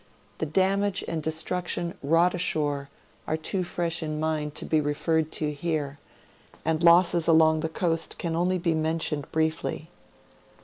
The damage and destruction wrought ashore are too fresh in mind to be referred to here, and losses along the coast can only be mentioned briefly.